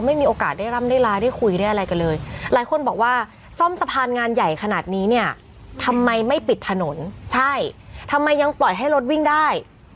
ไม่คุยได้อะไรกันเลยหลายคนบอกว่าซ่อมสะพานงานใหญ่ขนาดนี้เนี้ยทำไมไม่ปิดถนนใช่ทำไมยังปล่อยให้รถวิ่งได้